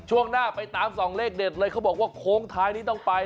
ช่วงหน้าไปตามส่องเลขเด็ดเลยเขาบอกว่าโค้งท้ายนี้ต้องไป